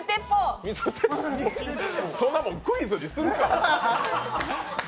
そんなもんクイズにするか！